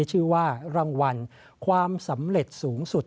ชื่อว่ารางวัลความสำเร็จสูงสุด